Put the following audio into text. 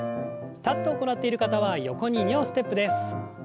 立って行っている方は横に２歩ステップです。